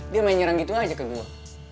dia main nyerang gitu aja ke gue